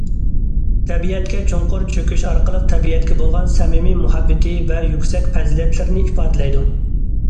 تەبىئەتكە چوڭقۇر چۆكۈش ئارقىلىق تەبىئەتكە بولغان سەمىمىي مۇھەببىتى ۋە يۈكسەك پەزىلەتلىرىنى ئىپادىلەيدۇ.